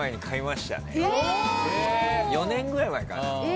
４年ぐらい前かな。